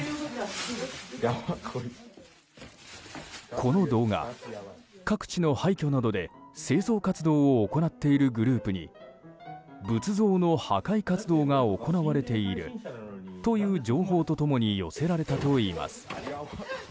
この動画、各地の廃虚などで清掃活動を行っているグループに仏像の破壊活動が行われているという情報と共に寄せられたといいます。